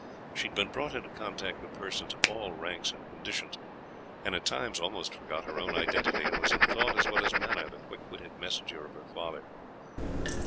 She had been brought into contact with persons of all ranks and conditions, and at times almost forgot her own identity, and was in thought as well as manner the quick witted messenger of her father.